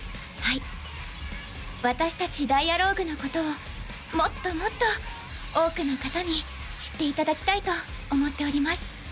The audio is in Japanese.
はい私達ＤＩＡＬＯＧＵＥ＋のことをもっともっと多くの方に知っていただきたいと思っております